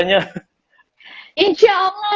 insya allah ditunggu